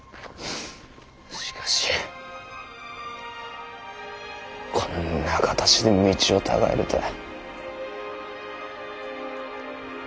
しかしこんな形で道を違えるとは。